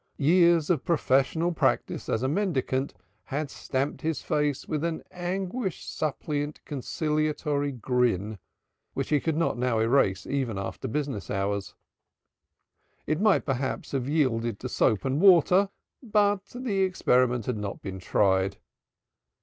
Years of professional practice as a mendicant had stamped his face with an anguished suppliant conciliatory grin, which he could not now erase even after business hours. It might perhaps have yielded to soap and water but the experiment had not been tried.